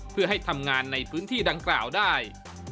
เพื่อให้ทำงานในพื้นที่ดังกล่าวได้